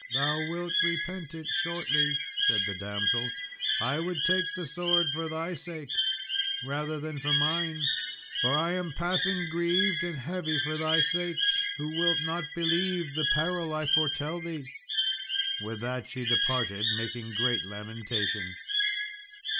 "Thou will repent it shortly," said the damsel; "I would take the sword for thy sake rather than for mine for I am passing grieved and heavy for thy sake, who wilt not believe the peril I foretell thee." With that she departed, making great lamentation.